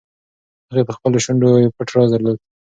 هغې په خپلو شونډو یو پټ راز درلود.